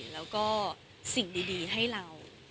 แล้วก็สิ่งดีให้เรา